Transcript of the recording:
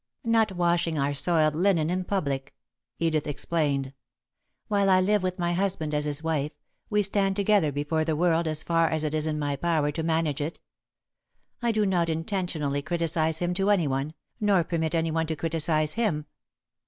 "Not washing our soiled linen in public," Edith explained. "While I live with my husband as his wife, we stand together before the world as far as it is in my power to manage it. I do not intentionally criticise him to anyone, nor permit anyone to criticise him.